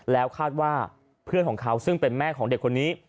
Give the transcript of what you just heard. แล้วคาดว่าเพื่อนของเขาซึ่งเป็นแม่ของเด็กคนนี้